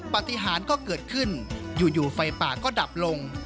ปฏิหารก็เกิดขึ้นอยู่ไฟป่าก็ดับลง